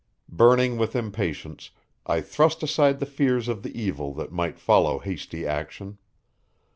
Burning with impatience, I thrust aside the fears of the evil that might follow hasty action.